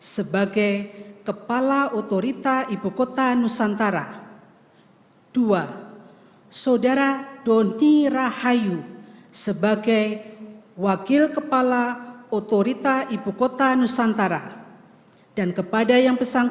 sebagai kepala dan wakil kepala otorita ibu kota nusantara